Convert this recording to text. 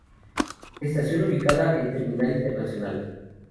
Estación ubicada en terminal internacional.